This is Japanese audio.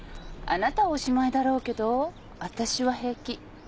あなたはおしまいだろうけど私は平気。